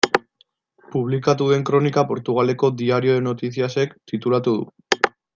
Publikatu den kronika Portugaleko Diario de Noticias-ek titulatu du.